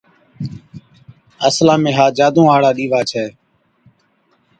اصلا ۾ ها جادُوئا هاڙا ڏِيوا ڇَي۔